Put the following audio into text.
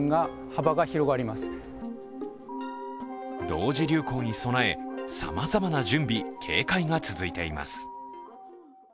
同時流行に備え、さまざまな準備・警戒が続いています。